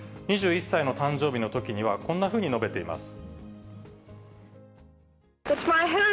２１歳の誕生日のときには、こんなふうに述べています。